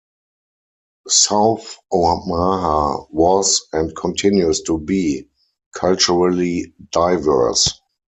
South Omaha was, and continues to be, culturally diverse.